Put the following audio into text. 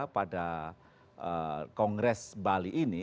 pada kongres bali ini